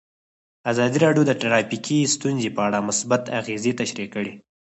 ازادي راډیو د ټرافیکي ستونزې په اړه مثبت اغېزې تشریح کړي.